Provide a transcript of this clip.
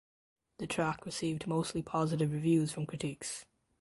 The track received mostly positive reviews from critics.